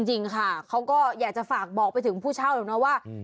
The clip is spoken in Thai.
จริงค่ะเขาก็อยากจะฝากบอกไปถึงผู้เช่าหรอกนะว่า